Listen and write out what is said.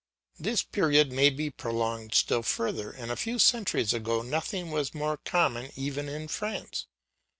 This period may be prolonged still further, and a few centuries ago nothing was more common even in France.